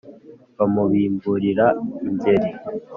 bamubimburira ingeri